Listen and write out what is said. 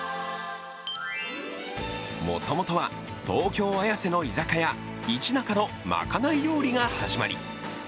もともとは東京・綾瀬の居酒屋いちなかのまかない料理が始まり。